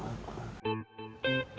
baru iu di standard store yet